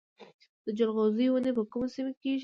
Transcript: د جلغوزیو ونې په کومو سیمو کې کیږي؟